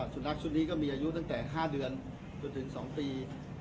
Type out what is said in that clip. สุนัขชุดนี้ก็มีอายุตั้งแต่๕เดือนจนถึง๒ปี